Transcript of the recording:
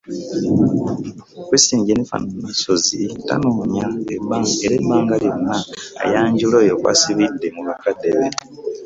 Christine Janiffer Nassozi tanoonya era ebbanga lyonna ayanjula oyo kw’asibidde mu bakadde be.